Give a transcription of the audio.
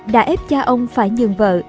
đã ép cha ông phải nhường vợ